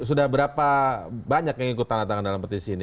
sudah berapa banyak yang ikut tanggatangan dalam petisi ini